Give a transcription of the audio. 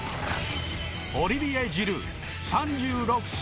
オリビエ・ジルー、３６歳。